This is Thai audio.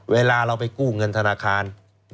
เวลาเราไปกู้เงินธนาคาร